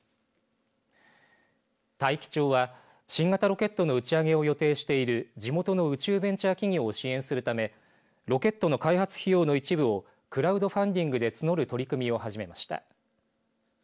大樹町は新型ロケットの打ち上げを予定している地元の宇宙ベンチャー企業を支援するためロケットの開発費用の一部をクラウドファンディングで募る取り組みを始めました。